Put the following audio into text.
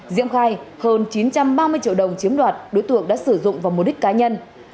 diễm khai hơn chín trăm ba mươi triệu đồng chiếm đoạt đối tượng đã sử dụng vào mục đích cá nhân